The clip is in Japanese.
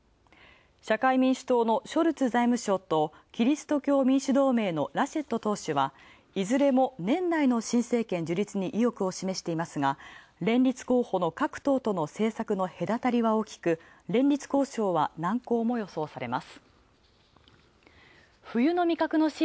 社会民主党のショルツ財務相とキリスト教民主同盟のラシェット党首はいずれも年内の新政権樹立に意欲を示していますが、連立候補の各候補の隔たりは大きく、連立交渉は難航も予想されます。